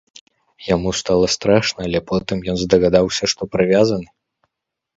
Яму стала страшна, але потым ён здагадаўся, што прывязаны.